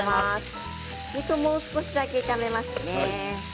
肉をもう少しだけ炒めますね。